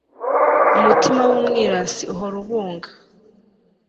umutima w'umwirasi uhora ubunga